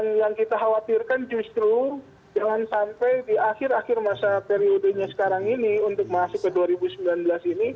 nah yang kita khawatirkan justru jangan sampai di akhir akhir masa periodenya sekarang ini untuk masuk ke dua ribu sembilan belas ini